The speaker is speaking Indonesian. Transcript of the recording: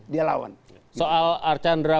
dia lawan soal arcandra